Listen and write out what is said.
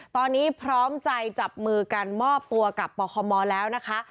ตอนนี้พร้อมใจจับมือกันมอบตัวกับปคมแล้วนะคะ